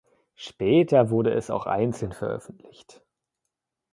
Später wurde es auch einzeln veröffentlicht.